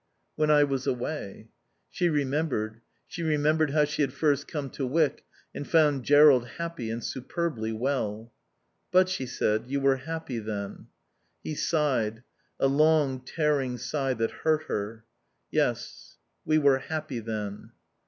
"When I was away." She remembered. She remembered how she had first come to Wyck and found Jerrold happy and superbly well. "But," she said, "you were happy then." He sighed, a long, tearing sigh that hurt her. "Yes. We were happy then."